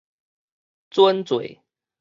準做